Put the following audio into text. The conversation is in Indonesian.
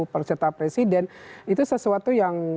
peserta presiden itu sesuatu